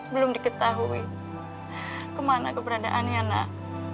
belum diketahui kemana keberadaannya nak